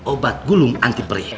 obat gulung anti perih